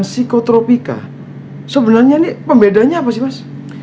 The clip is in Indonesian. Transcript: sebenarnya ini pembedaannya apa sih mas